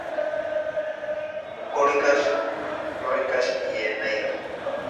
Bucólicas, Geórgicas y Eneida.